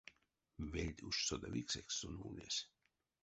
Вельть уш содавиксэкс сон ульнесь.